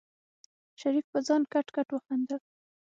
شريف په ځان کټ کټ وخندل.